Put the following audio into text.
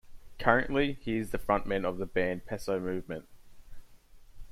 Currently, he is the frontman of the band Peso Movement.